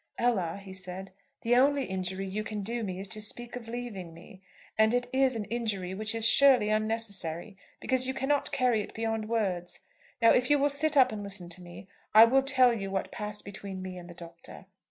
"Ella," he said, "the only injury you can do me is to speak of leaving me. And it is an injury which is surely unnecessary because you cannot carry it beyond words. Now, if you will sit up and listen to me, I will tell you what passed between me and the Doctor."